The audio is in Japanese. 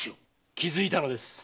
気づいたのです。